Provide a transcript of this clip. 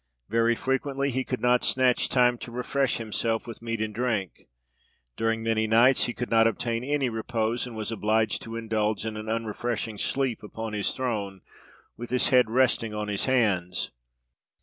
Very frequently he could not snatch time to refresh himself with meat and drink. During many nights he could not obtain any repose, and was obliged to indulge in an unrefreshing sleep upon his throne, with his head resting on his hands.